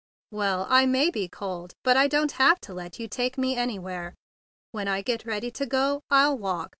"Well, I may be cold; but I don't have to let you take me anywhere. When I get ready to go, I'll walk.